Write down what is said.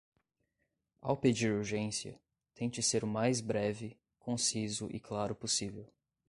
Ao pedir urgência, tente ser o mais breve, conciso e claro possível.